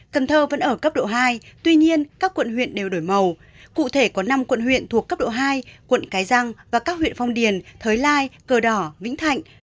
cần thơ vẫn ở cấp độ hai tuy nhiên các quận huyện đều đổi màu cụ thể có năm quận huyện thuộc cấp độ hai quận cái răng và các huyện phong điền thới lai cờ đỏ vĩnh thạnh